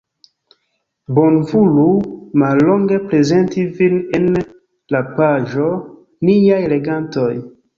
Bonvolu mallonge prezenti vin en la paĝo Niaj legantoj.